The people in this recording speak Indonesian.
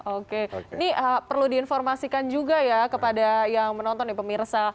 oke ini perlu diinformasikan juga ya kepada yang menonton nih pemirsa